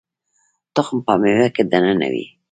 تخم په مېوه کې دننه وي